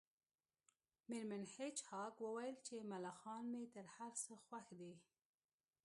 میرمن هیج هاګ وویل چې ملخان مې تر هر څه خوښ دي